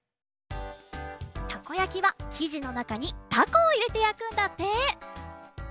たこやきはきじのなかにたこをいれてやくんだって。